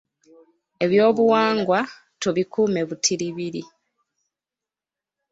Ebyobuwangwa tubikuume butiribiri.